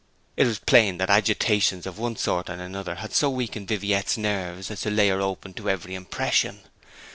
It was plain that agitations of one sort and another had so weakened Viviette's nerves as to lay her open to every impression.